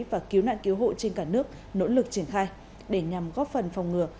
và cứu nạn cứu hộ trên cả nước nỗ lực triển khai để nhằm góp phần phòng ngừa